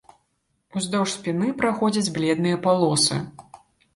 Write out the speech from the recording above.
Уздоўж спіны праходзяць бледныя палосы.